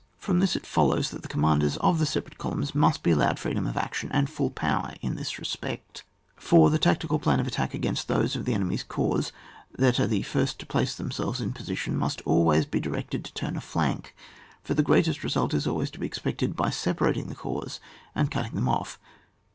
From this it follows that the commanders of the separate columns must be allowed freedom of action and full power in this respect. (4.) The tactical plan of attack against those of the enemy's corps that are the first to place themselves in position, must always be directed to turn a flank, for the jgreatest result is always to be expected by separating the corps, and cutting them off.